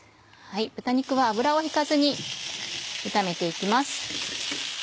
豚肉は油を引かずに炒めて行きます。